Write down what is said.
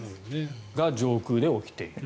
それが上空で起きている。